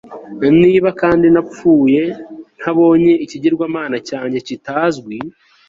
Niba kandi napfuye ntabonye ikigirwamana cyanjye kitazwi